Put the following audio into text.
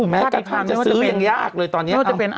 แบบกันทั้งขั้นจะซื้ออย่างยากเลยตอนนี้